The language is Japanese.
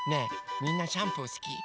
みんなシャンプーすき？